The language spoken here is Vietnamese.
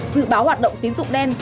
dự báo hoạt động tiến dụng đen